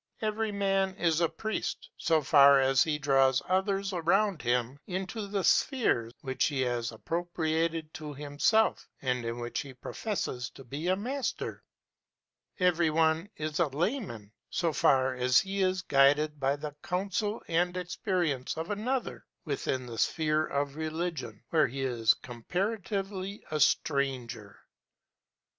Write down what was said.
Every man is a priest, so far as he draws others around him, into the sphere which he has appropriated to himself and in which he professes to be a master. Every one is a layman, so far as he is guided by the counsel and experience of another, within the sphere of religion, where he is comparatively a stranger.